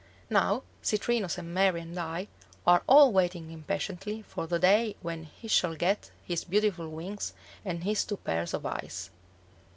Now Citrinus and Mary and I are all waiting impatiently for the day when he shall get his beautiful wings and his two pairs of eyes.